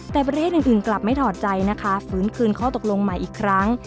แต่ประเทศอื่นกลับไม่ถอดใจนะคะฟื้นคืนข้อตกลงใหม่อีกครั้ง